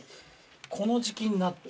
この時季になって。